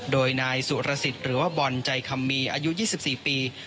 โดยนายสุรสิทธิ์หรือว่าบอลใจคำมีอายุ๒๔ปี